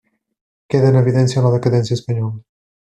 Queda en evidència la decadència espanyola.